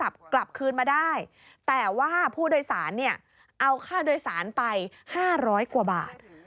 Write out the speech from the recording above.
ผ้าโดยสารไป๕๐๐กว่าบาท